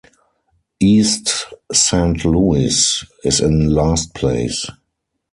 East Saint Louis is in last place.